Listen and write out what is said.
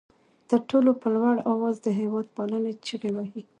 تر ټولو په لوړ آواز د هېواد پالنې چغې وهي.